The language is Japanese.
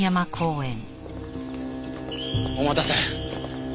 お待たせ。